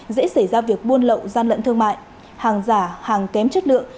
dễ xảy ra việc buôn lậu gian lận thương mại hàng giả hàng kém chất lượng